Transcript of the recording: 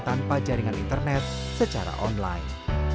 tanpa jaringan internet secara online